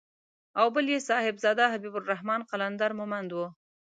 او بل يې صاحبزاده حبيب الرحمن قلندر مومند و.